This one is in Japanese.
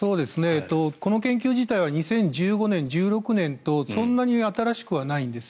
この研究自体は２０１５年、１６年とそんなに新しくはないんです。